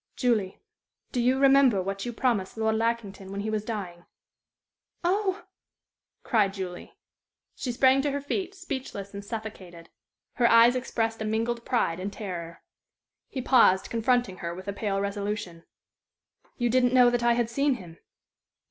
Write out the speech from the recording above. "Julie, do you remember what you promised Lord Lackington when he was dying?" "Oh!" cried Julie. She sprang to her feet, speechless and suffocated. Her eyes expressed a mingled pride and terror. He paused, confronting her with a pale resolution. "You didn't know that I had seen him?"